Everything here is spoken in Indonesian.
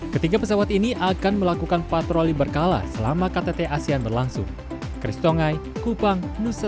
ketiga pesawat ini akan melakukan patroli berkala selama ktt asean berlangsung